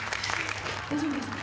大丈夫ですか？